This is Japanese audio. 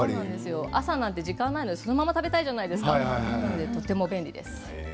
朝なんて時間がないからそのまま食べたいじゃないですかだから、とても便利です。